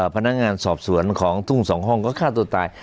พนักงานสอบสวนของทุ่งสองห้องก็ฆ่าตัวตาย